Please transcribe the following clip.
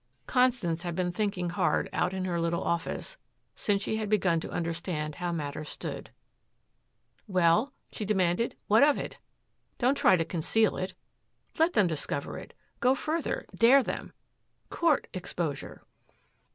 Constance had been thinking hard out in her little office since she had begun to understand how matters stood. "Well?" she demanded. "What of it? Don't try to conceal it. Let them discover it. Go further. Dare them. Court exposure."